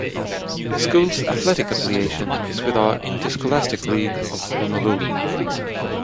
The school's athletic affiliation is with the Interscholastic League of Honolulu.